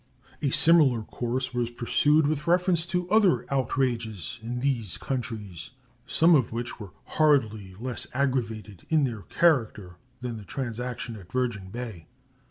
A similar course was pursued with reference to other outrages in these countries, some of which were hardly less aggravated in their character than the transaction at Virgin Bay.